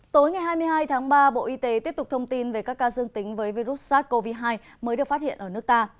tối ngày hai mươi hai tháng ba bộ y tế tiếp tục thông tin về các ca dương tính với virus sars cov hai mới được phát hiện ở nước ta